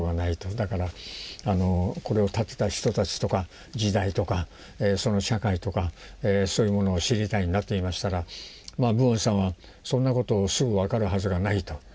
だからこれを建てた人たちとか時代とかその社会とかそういうものを知りたいんだと言いましたらプオンさんはそんなことすぐ分かるはずがないと。